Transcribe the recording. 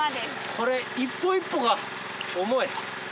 これ一歩一歩が重い。